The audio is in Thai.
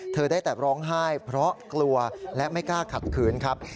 ได้แต่ร้องไห้เพราะกลัวและไม่กล้าขัดขืนครับ